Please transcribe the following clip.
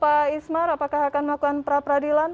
pak ismar apakah akan melakukan